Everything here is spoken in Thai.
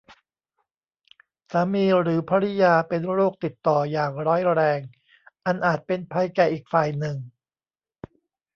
สามีหรือภริยาเป็นโรคติดต่ออย่างร้ายแรงอันอาจเป็นภัยแก่อีกฝ่ายหนึ่ง